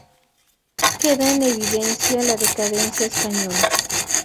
Queda en evidencia la decadencia española.